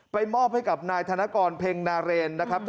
มอบให้กับนายธนกรเพ็งนาเรนนะครับ